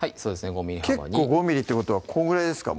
５ｍｍ幅に結構５ｍｍってことはこんぐらいですか？